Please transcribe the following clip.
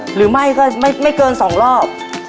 หรือไม่ก็ไม่เกิน๒รอบ